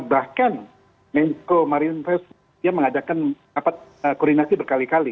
bahkan menko marinfes dia mengadakan koordinasi berkali kali